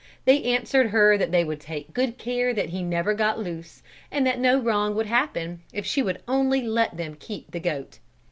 They answered her that they would take good care that he never got loose, and that no wrong would happen, if she would only let them keep the goat.